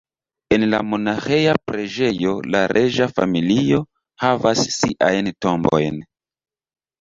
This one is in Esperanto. En la monaĥeja preĝejo la reĝa familio havas siajn tombojn.